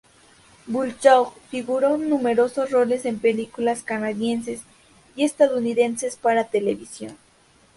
Bujold figuró en numerosos roles en películas canadienses y estadounidenses para televisión.